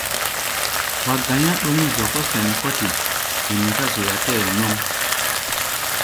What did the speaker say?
Wa ga̧i̧á̧ ɗɔ̌ŋ-zɔkɔ́ sɛn kɔ́ te wen ká zoya tɛɛ́ nyɔŋ.